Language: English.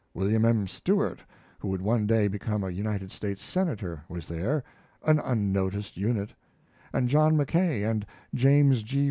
William M. Stewart who would one day become a United States Senator, was there, an unnoticed unit; and John Mackay and James G.